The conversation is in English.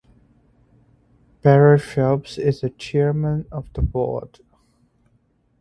Barry Phelps is chairman of the board.